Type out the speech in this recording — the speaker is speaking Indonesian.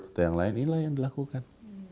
atau yang lain inilah yang dilakukan